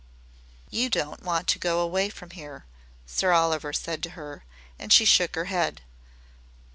"You don't want to go away from here," Sir Oliver said to her, and she shook her head.